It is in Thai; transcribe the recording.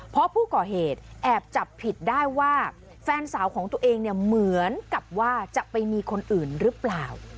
เพราะผู้ก่อเหตุแอบจับผิดได้ว่าแฟนสาวของตัวเองเนี่ยเหมือนกับว่าจะไปมีคนอื่นหรือเปล่า